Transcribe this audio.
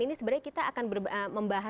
ini sebenarnya kita akan membahas praktiknya ya